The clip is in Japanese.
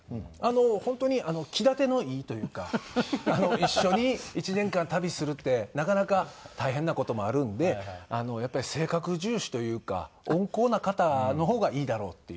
本当に気立てのいいというか一緒に１年間旅するってなかなか大変な事もあるんでやっぱり性格重視というか温厚な方のほうがいいだろうっていう。